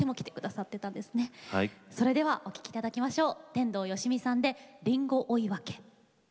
それではお聴きいただきましょう。